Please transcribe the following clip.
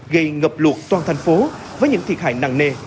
gây ngập lụt toàn thành phố với những thiệt hại nặng nề